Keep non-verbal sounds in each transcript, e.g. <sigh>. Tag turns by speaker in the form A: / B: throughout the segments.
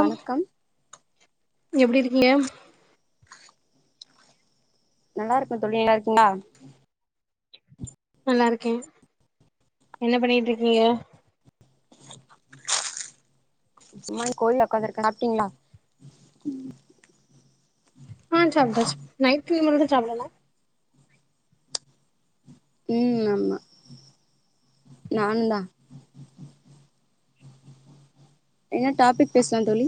A: வணக்கம்
B: எப்டி இருக்கீங்க
A: நல்லா இருக்கோ தோழி நல்லா இருக்கீங்களா
B: நல்லா இருக்கே என்ன பண்ணிட்டு இருக்கீங்க
A: சும்மா கோயில உக்காந்துருக்கே சாப்படீங்களா
B: ஆ சாப்ட்டாச்சு நைட்டு சாப்டல
A: உ ஆமா நானு தா என்ன டாபிக் பேசலா தோழி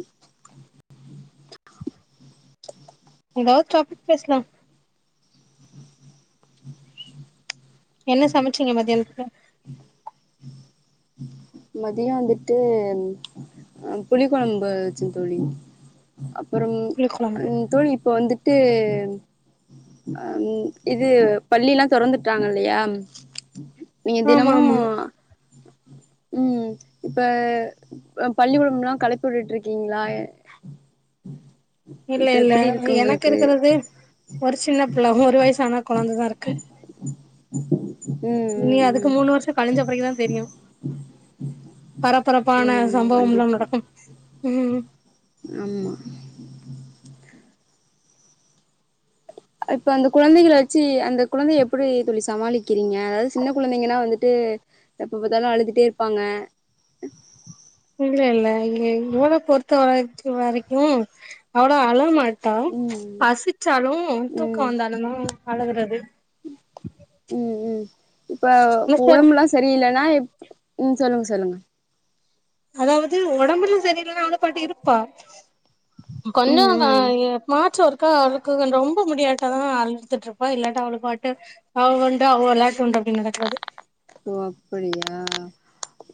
B: ஏதாவது டாபிக் பேசலா என்ன சமச்சீங்க மதியானத்துகு
A: மதியோ வந்துட்டு புளி கொழம்பு வச்சே தோழி அப்றம்
B: புளிக்கொழம்பு
A: தோழி இப்போ வந்துட் இது இது பள்ளி எல்லா திறந்துட்டாங்க இல்லையா நீங்க
B: ஆமா
A: தினமு
B: ஆமா
A: உ இப்ப பள்ளிக்கூடம்ல்லா கிளப்பிவிட்டு இருக்கீங்களா
B: இல்ல இல்ல எனக்கு இருக்குறது ஒரு சின்ன பிள்ள ஒரு வயசான குழந்ததா இருக்கு
A: ம்
B: நீ அதுக்கு
A: ம் ம்
B: மூணு வருஷோ கழிஞ்ச பரகுதா தெரியு பரபரப்பான
A: ஆமா ஆமா
B: சம்பவம்னா
A: கண்டிப்பா
B: நடக்கும் உ
A: ஆமா இப்ப அந்த குழந்தைகள வச்சு அந்த குழந்தைய எப்டி தோழிஸ் சமாளிக்கிறீங்க அதாவது சின்ன குழந்தைங்கனா வந்துட்டு எப்பாத்தாலு அழுதுட்டே இருப்பாங்க
B: இல்ல இல்ல இங்க இவள பொறுத்த வர வரைக்கு வரைக்கு அவ்ளோ அழமாட்டா
A: ம்
B: பசிச்சாலு தூக்கோ வந்தாலு தா அழுகுறது
A: உ உ இப்ப
B: ஆனா சரி,
A: உடம்புலா சரியில்லன்னா எப் உ சொல்லுங்க சொல்லுங்க
B: அதாவது ஒடம்புலா சரியில்லன்னா அவ பாட்டு இருப்பா கொஞ்ச
A: ம் ம்
B: <unintelligible> மா அவளுக்கு ரொம்ப முடியாட்ட தான் அழுதுட்டு இருப்பா இல்லாட்ட அவளுக்கு பாட்டு அவ உண்டு அவ விளையாட்டு உண்டு அப்டினு நடக்குறது
A: ஓ அப்படியா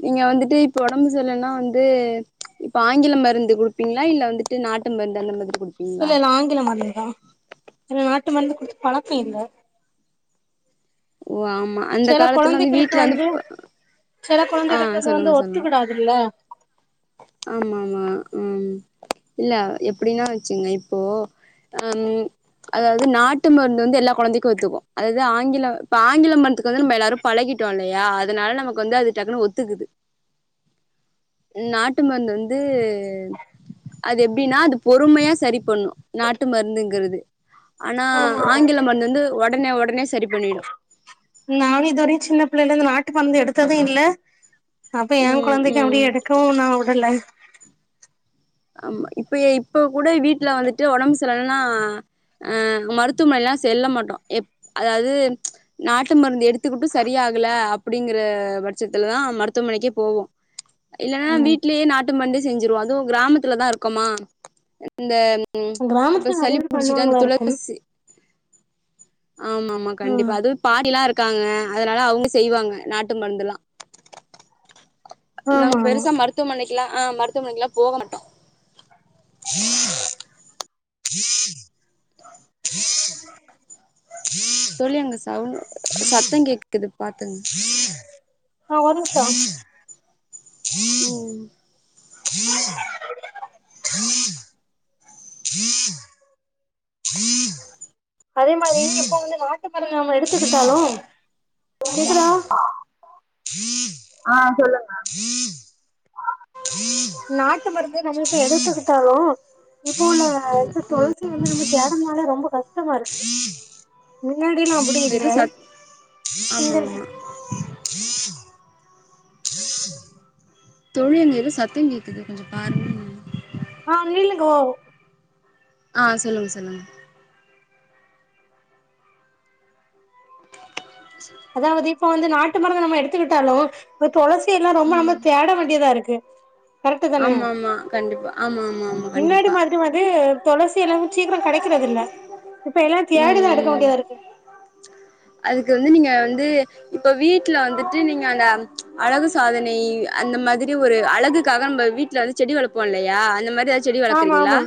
A: நீங்க வந்துட்டு இப்ப உடம்பு செர்லனா வந்து இப்ப ஆங்கிலம் மருந்து குடுப்பீங்களா இல்ல வந்துட்டு நாட்டு மருந்து அந்த மாதிரி குடுப்பீங்களா
B: இல்ல இல்ல ஆங்கில மருந்து தான் நாட் ட்டு மருந்து குடுத்து பழக்க இல்ல
A: ஓ ஆமா அந்த
B: சில
A: காலத்துல வந்து
B: கொழந்தைகளுக்கு
A: வீட்டுல வந்து
B: சில கொழந்தைகளுக்கு
A: ஆஹ்
B: அது வந்து
A: சொல்லுங்க சொல்லுங்க
B: ஒத்துக்கிடாதுல்ல
A: ஆமா ஆமா இல்ல எப்படின்னா வச்சுங்க இப்போ அஹ் அதாவது நாட்டு மருந்து வந்து எல்லா குழந்தைக்கும் ஒத்துக்கும் அதாவது ஆங்கிலம் இப்ப ஆங்கில மருத்துக்கு வந்து நம்ம எல்லாரும் பழகிட்டோம் இல்லையா அதனால நமக்கு வந்து அது டக்குனு ஒத்துக்குது நாட்டு மருந்து வந்து அது எப்படின்னா அது பொறுமையா சரி பண்ணும் நாட்டு மருந்துங்கிறது ஆனா ஆங்கில மருந்து வந்து உடனே உடனே சரி பண்ணிடும்
B: நானு இதுவரையு சின்ன பிள்ளைல இருந்து நாட்டு மருந்து எடுத்தது இல்ல அப்ப என்
A: ம்
B: குழந்தைக்க அப்படி
A: ம்
B: எடுக்கவும் நா ல்ல
A: ஆமா இப்ப இப்ப கூட வீட்டுல வந்துட்டு உடம்பு சரிலன்னா அஹ் மருத்துவமனைல்லாம் செல்ல மாட்டோம் எ அதாவது நாட்டு மருந்து எடுத்துக்கிட்டும் சரியாகல அப்படிங்கிற பட்சத்துலதான் மருத்துவமனைக்கே போவோம் இல்லைன்னா
B: ம்
A: வீட்லேயே நாட்டு மருந்தே செஞ்சிருவோம் அதுவும் கிராமத்து தான் இருக்குமா இந்த உம் இப்ப
B: கிராமத்துல நெறைய
A: சளி
B: பேர்
A: புடிச்சுட்டா அந்த
B: பண்ணுவாங்களா இருக்கும்
A: துளசி ஆமா ஆமா
B: ஆ
A: கண்டிப்பா அதுவும் பாட்டில்லாம் இருக்கும் இருக்காங்க அதனால அவங்க செய்வாங்க நாட்டு மருந்துல்லாம்
B: ஆமா
A: நாங்க
B: ஆமா
A: பெருசா மருத்துவமனைக்கு ஆஹ் மருத்துவமனைக்குல்லாம் போகமாட்டோம்
B: கீ கீ கீ <unintelligible>
A: தோழி சத்தம் கேட்குது இது பாத்துங்க
B: ஆஹ் ஒரு நிமிஷம்
A: உம்
B: அதே மாரி இப்போ வந்து நாட்டு மருந்து நாம எடுத்துக்கிட்டாலும் கேக்குதா உம்
A: ஆஹ் சொல்லுங்க
B: நாட்டு மருந்தே நம்மளுக்கு எடுத்துக்கிட்டாலும் இப்போ உள்ள
A: ஆமா
B: இந்த துளசி வந்து நம்ம தேடுறனால ரொம்ப கஷ்ட்மா இருக்கு முன்னாடியல்லாம் அப்படி
A: அங்க எதோ
B: இருந்தே
A: சத் ஆமா
B: நீங்க
A: ஆமா
B: <unintelligible>
A: தோழி அங்க எதோ சத்தம் கேக்குது கொஞ்சம் பாருங்களா
B: ஆ நீல்லுங்கோ
A: ஆ சொல்லுங்க சொல்லுங்க
B: அதாவது இப்ப வந்து நாட்டு மருந்து நம்ம எடுத்துக்கிட்டாலோ தொளசி எல்லா ரொம்ப
A: ம்
B: நம்ம தேட வேண்டியதா இருக்கு கரெக்ட் தானே
A: ஆமா ஆமா கண்டிப்பா ஆமா ஆமா ஆமா கண்டிப்பா
B: தொளசி எல்லாமு சீக்கிரோ கெடைக்கறது இல்ல இப்ப எல்லா தேடி தா
A: ம்
B: எடுக்க
A: ம்
B: வேண்டியதா இருக்கு
A: அதுக்கு வந்து நீங்க வந்து இப்ப வீட்ல வந்துட்டு நீங்க அந்த அழகு சாதனை அந்த மாதிரி ஒரு அலகுக்காக நம்ப வீட்ல வந்து செடி வளப்போ இல்லையா அந்த மாரி எதா செடி
B: ஆமா
A: வளக்கறீங்களா
B: ஆமா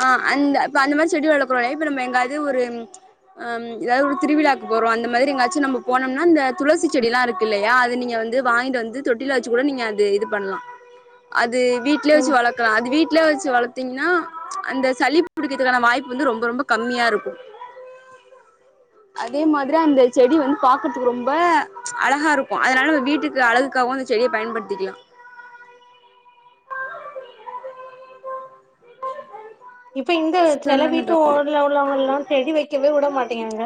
A: ஆ அந்த இப்ப அந்த மாரி செடி வளக்கறோல்ல இப்ப நம்ம எங்காது ஒரு ம் ம் எதாவது ஒரு திருவிழாக்கு போறோ அந்த மாரி எங்காச்சி நம்ம போனோம்னா இந்த துளசி செடில்லா இருக்கு இல்லையா அது நீங்க வந்து வாங்கிட்டு வந்து தொட்டில வெச்சி கூட நீங்க அது இது பண்ணலா அ து வீட்லே வெச்சி
B: ஆமா
A: வளக்கலா அது வீட் வீட்ல வச்சி வளத்தீங்கன்னா அந்த சளி புடிக்கிறதுக்கான வாய்ப்பு வந்து ரொம்ப ரொம்ப கம்மியா இருக்கும் அதே மாதிரி அந்த செடி வந்து பாக்கறதுக்கு ரொம்ப அழகா இருக்கும் அதனால வீட்டுக்கு அழகுக்காகவு அந்த செடிய பயன்படுத்திக்கிலா
B: இப்ப இந்த செல
A: சொல்லுங்க
B: வீட்டு
A: தோ
B: ஓடுல உள்ளவங்க எல்லா செடி வக்கவே உட மாட்டிங்கிறாங்க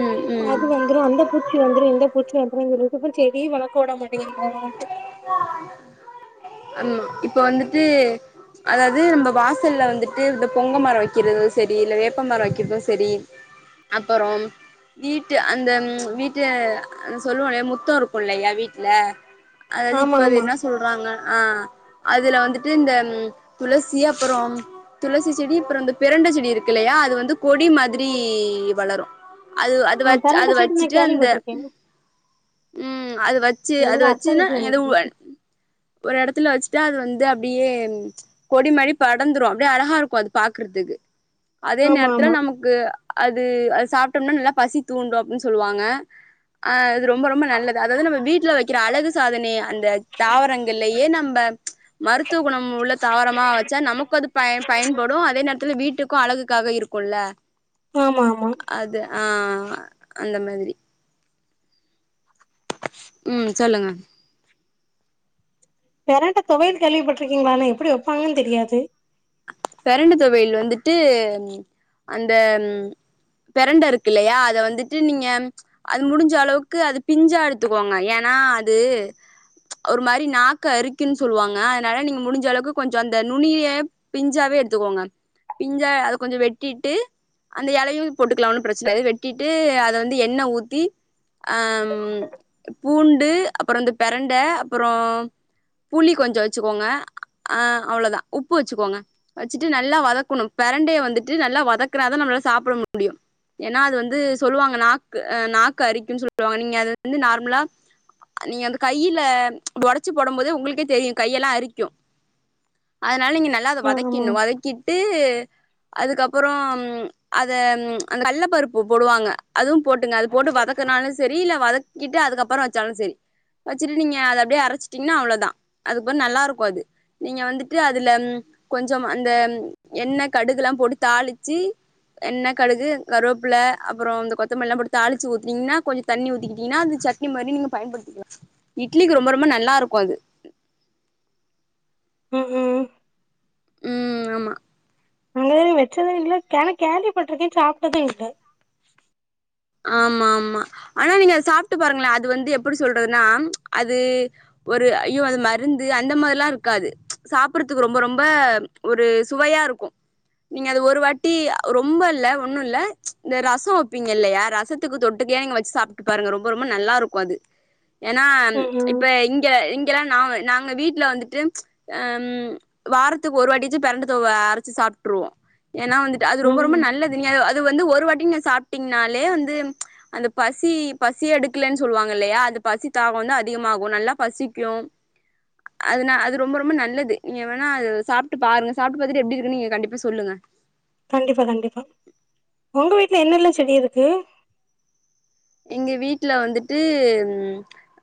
A: ம் ம்
B: அது வந்துரு அந்த பூச்சி வந்துரு இந்த பூச்சி வந்துரு ப்பும் செடி வளக் கூட மாட்டிங்கலான்ட்டு
A: இப்போ வந்துட்டு அதாவது நம்ப வாசல்ல வந்துட்டு இந்த பொங்க மரோ வக்கறது செரி இல்ல வேப்ப மரோ வக்கிறதும் செரி அப்றோ வீட்டு அந்த வீட்டு சொல்லுவோ இல்லையா முத்தோ இருக்கு இல்லையா வீட் ல அதாவது
B: ஆமா
A: இப்ப அது
B: ஆமா
A: என்ன சொல்றாங்க ஆ அதுல வந்துட்டு இந்த துளசி அப்றோ துளசி செடி அப்றோ இந்த பிரண்ட செடி இருக்கு இல்லையா அது வந்து கொடி மாதிரி வளரும் அது அது
B: ஆ
A: வச்சி
B: பெரண்ட
A: அது
B: செடி நா
A: வச்சிட்டு அந்த
B: கேள்விப்பட்டிருக்கே
A: ம் அது வச்சி அது
B: எங்க அத்த
A: வச்சின்னா
B: வீட்ல
A: எனக்கு
B: நிக்கி
A: ஒ ஒரு எடத்துல வச்சி ட்டா அது வந்து அப்டியே கொடி மாரி படந்துரு அப்டே அழகா இருக்கும் அது பாக்கறதுக்கு அதே
B: ஆமா
A: நேரத்துல
B: ஆமா
A: நமக்கு அது அது சாப்ட்டோம்னா நல்லா பசி தூண்டு அப்டின்னு சொல்லுவாங்க ஆ இது ரொம்ப ரொம்ப நல்லது அதாவது நம்ம வீட்ல வக்கிற அழகு சாதனைய அந்த தாவரங்கள்லயே நம்ப மருத்துவ குணம் உள்ள தாவரமா வச்சா நமக்கும் அது பயன் பயன்படும் அதே நேரத்துல வீட்டுக்கும் அழகுக்காக இருக்குல்ல
B: ஆமா ஆமா
A: அது ஆ ஆ அந்த மாதிரி உ சொல்லுங்க
B: பெரண்ட தொவையல் கேள்விப்பட்டிருக்கிங்களா ஆனா எப்டி வெப்பாங்கன்னு தெரியாது
A: பெரண்டு தொவையல் வந்துட்டு அந்த பெரண்ட இருக்கு இல்லையா அத வந்துட்டு நீங்க அது முடிஞ்ச அளவுக்கு அது பிஞ்சா எடுத்துக்கோங்க ஏன்னா அது ஒரு மாரி நாக்க அரிக்குன்னு சொல்லுவாங்க அதனால நீங்க முடிஞ்ச அளவுக்கு கொஞ்ஜோ அந்த நுனிய பிஞ்சாவே எடுத்துக்கோங்க பிஞ்சா அத கொஞ்ஜோ வெட்டிட்டு அந்த எலையு போட்டுக்கலா ஒன்னு ப்ரச்சனை இல்ல இது வெட்டிட்டு அத வந்து எண்ணெ ஊத்தி பூண்டு அப்றோ இந்த பெரண்ட அப்றோ புளி கொஞ்ஜோ வெச்சுக்கோங்க ஆ அவ்ள தா உப்பு வெச்சுக்கோங்க வெச்சுட்டு நல்லா வதக்கணு பெரண்டைய வந்துட்டு நல்லா வதக்கனா தா நம்மளால சாப்ட முடியு ஏன்னா அது வந்து சொல்லுவாங்க நாக்கு நாக்கு அரிக்குன்னு சொல்லுவாங்க நீங்க அது வந்து நார்மலா நீங்க அந்த கையில ஒடைச்சு போடும் போதே உங்களுக்கே தெரியு கையெல்லா அரிக்கு அதனால நீங்க நல்ல அத
B: ஆ
A: வதக்கி
B: ஆமா
A: கின்னு வதக்கிட்டு அதுக்கப்றோ அத அந்த கள்ள பருப்பு போடுவாங்க அதுவு போட்டுங்க அது போட்டு வதக்கனாலு செரி இல்ல வதக் கிட்டு அதுக்கப்றோ வெச்சாலு செரி வெச்சுட்டு நீங்க அது அப்டியே அரைச்சிட்டீங்கன்னா அவ்ளோ தா அதுக்கப்றோ நல்லா இருக்கு அது நீங்க வந்துட்டு அதுல கொஞ்சம் அந்த எண்ணெ கடுகுலா போட்டு தாளிச்சி எண்ணெ கடுகு கருவேப்புல அப்றோ இந்த கொத்தமல்லிலா போட்டு தாளிச்சு ஊத்தினிங்கன்னா கொஞ்ஜோ தண்ணி ஊத்திக்கிட்டீங்கன்னா அது சட்னி மாரி நீங்க பயன்படுத்திக்கலா இட்லிக்கு ரொம்ப ரொம்ப நல்லா இருக்கு அது
B: உ உ
A: உ ஆமா
B: அங்கயு வெச்சது இல்ல கா கேள்வி பட்ருக்கே ஆனா சாப்ட்டதே இல்ல
A: ஆமா ஆமா ஆனா நீங்க அத சாப்பிட்டு பாருங்களே அது வந்து எப்டி சொல்றதுன்னா அது ஒரு ஐயோ அது மருந்து அந்த மாரில்லா இருக்காது சாப்டறதுக்கு ரொம்ப ரொம்ப ஒரு சுவையா இருக்கு நீங்க அது ஒரு வாட்டி ரொம்ப இல்ல ஒண்ணு இல்ல இந்த ரசோ வைப்பீங்க இல்லயா ரசத்துக்கு தொட்டுக்கயா நீங்க வச்சு சாப்பிட்டு பாருங்க ரொம்ப ரொம்ப நல்லா இருக்கு அது ஏன்னா
B: ம்
A: இப்ப
B: ம்
A: இங்க இங்கெல்லா நா நாங்க வீட்டுல வந்துட்டு ம் வாரத்துக்கு ஒரு வாட்டிச்சும் பெரண்ட தோவைய அரைச்சு சாப்ட்டுருவோ ஏன்னா வந்துட்டு அது ரொம்ப ரொம்ப
B: ம்
A: நல்லது நீ அது வந்து ஒர் ஒரு வாட்டி நீங்க சாப்பிட்டீங்கனாலே அந்த பசி பசிய எடுக்கலன்னு சொல்லுவாங்க இல்லையா அந்த பசி தாகோ வந்து அதிகமாகு நல்லா பசிக்கு அதுனா அது ரொம்ப ரொம்ப நல்லது நீங்க வேணா அது சாப்பிட்டு பாருங்க சாப்பிட்டு பாத்துட்டு எப்டி இருக்குன்னு நீங்க கண்டிப்பா சொல்லுங்க
B: கண்டிப்பா கண்டிப்பா உங்க வீட்ல என்னெல்லா செடி இருக்கு
A: எங்க வீட்ல வந்துட்டு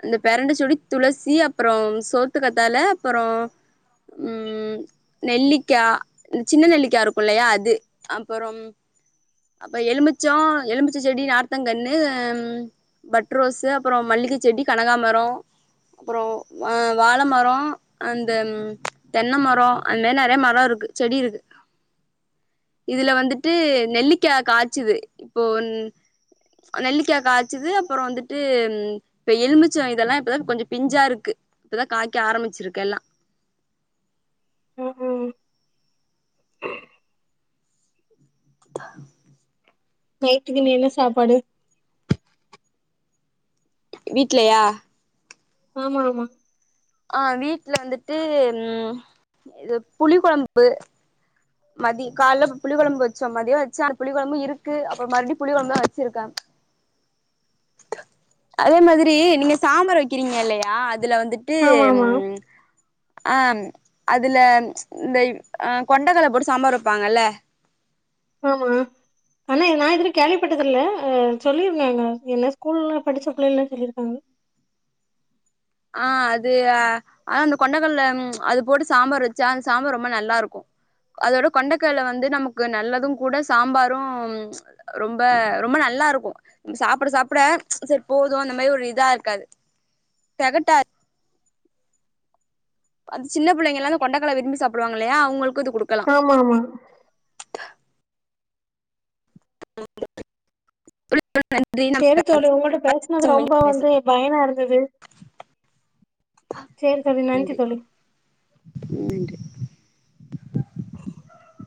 A: இந்த பெரண்ட செடி துளசி அப்புறோ சோத்து கத்தால அப்புறோ உ நெல்லிக்கா சின்ன நெல்லிக்கா இருக்கும் இல்லியா அது அப்புறோ அப்பறோ எலுமிச்சம் எலுமிச்ச செடி நாத்தங்கன்னு ஆ பட் ரோஸ் அப்புறோஞ மல்லிக செடி கனகாமரோ அப்புறோ ஆ வாழ மரோ அந்த தென்ன மரோ அந்த மாரி நெறைய மரோ இருக்கு செடி இருக்கு இதுல வந்துட்டு நெல்லிக்கா காய்ச்சுது இப்போன் நெல்லிக்கா காய்ச்சது அப்புறோ வந்துட்டு இப்ப எலுமிச்சம் இதெல்லா இப்பதா கொஞ்ச பிஞ்சா இருக்கு இப்பதா காய்க்க ஆரம்பிச்சிருக்கு எல்லா
B: உ உ
A: <unintelligible>
B: நைட்டுக்கு நீ என்ன சாப்பாடு
A: வீட்லயா
B: ஆமா ஆமா
A: ஆ வீட்ல வந்துட்டு ம் இது புளி கொழம்பு மதிய கால புளி கொழம்பு வச்சோ மதியம் வச்ச அ புளி கொழம்பு இருக்கு அப்புற மறுடியு புளி குழம்பு தா வச்சிருக்காங்க அதே மாதிரி நீங்க சாம்பார் வைக்கிறீங்க இல்லியா இதுல வந்துட்டு
B: ஆமா ஆமா
A: ம் ஆ அதுல இந்த ஆ கொண்டகள்ள போட்டு சாம்பார் வப்பாங்கல
B: ஆமா ஆனா நா இதிலியு கேள்விப்பட்டதில்ல அ சொல்லியிருந்தாங்க என்ன ஸ்கூல்லா படிச்ச புள்ளைல்ல சொல்லிருக்காங்
A: ஆ அது ஆனா அந்த கொண்டக்கல்ல அது போட்டு சாம்பார் வச்சா அந்த சாம்பார் ரொம்ப நல்லா இருக்கு அதோட கொண்டக்கல்ல வந்து நமக்கு நல்லது கூட சாம்பாரு ரொம்ப ரொம்ப நல்லா இருக்கு சாப்ட சாப்ட சரி போது அந்த மாரி ஒரு இதா இருக்காது தெகட்டா ப அந் சின்ன புள்ளைங்க எல்லா கொண்டக்கல்ல விரும்பி சாப்டுவாங்க இல்லையா அவுங்களுக்
B: ஆமா ஆமா
A: நன்றி
B: சேரி தோழி உங்கள்ட்ட பேசுனது
A: நம்ம
B: ரொம்ப வந்து
A: பேசலா
B: பயனா இருந்தது சேரி தோழி நன்றி தோழி
A: ம் நன்றி
B: <inaudible>